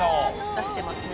出してますね。